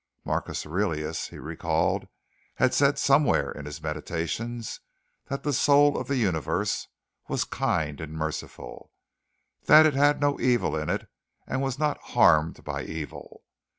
Marcus Aurelius, he recalled, had said somewhere in his meditations that the soul of the universe was kind and merciful; that it had no evil in it, and was not harmed by evil.